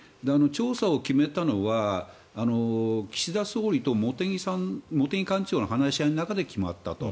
調査を決めたのは岸田総理と茂木幹事長の話し合いの中で決まったと。